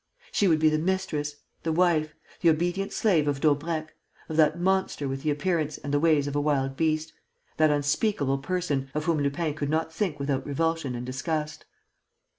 She would be the mistress, the wife, the obedient slave of Daubrecq, of that monster with the appearance and the ways of a wild beast, that unspeakable person of whom Lupin could not think without revulsion and disgust.